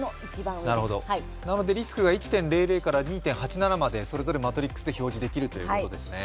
なのでリスクが１．００から１．８７までそれぞれマトリックスで表示できるということですね。